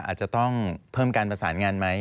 อาจจะต้องเพิ่มการประสานงานไหม